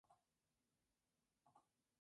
La selección de Inglaterra ganó su cuarto título.